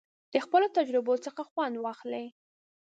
د خپلو تجربو څخه خوند واخلئ.